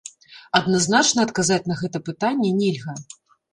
Адназначна адказаць на гэта пытанне нельга.